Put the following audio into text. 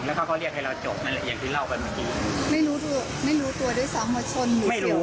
แล้วเขาเรียกให้เราจอดอย่างที่เล่าไม่รู้